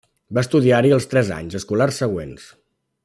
Va estudiar-hi els tres anys escolars següents.